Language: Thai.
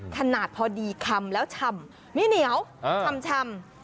ขนาดพอดีคำแล้วชำไม่เหนียวชำ